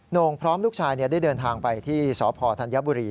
โน่งพร้อมลูกชายได้เดินทางไปที่สพธัญบุรี